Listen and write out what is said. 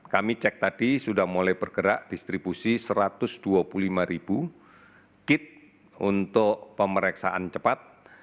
kami cek tadi sudah mulai bergerak distribusi satu ratus dua puluh lima ribu kit untuk pemeriksaan cepat